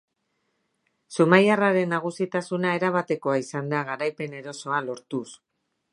Zumaiarraren nagusitasuna erabatekoa izan da garaipen erosoa lortuz.